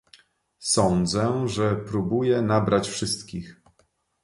sądzę, że próbuje nabrać wszystkich